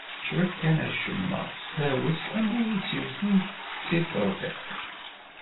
Cwiṭ kan acemma, tefrawes, am win itt-yewten s yiṣerfiq.